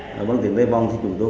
id bằng tiếng tây vong